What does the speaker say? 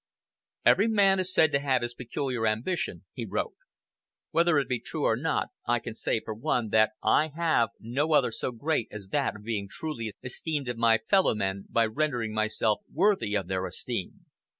"Every man is said to have his peculiar ambition," he wrote. "Whether it be true or not, I can say, for one, that I have no other so great as that of being truly esteemed of my fellowmen by rendering myself worthy of their esteem.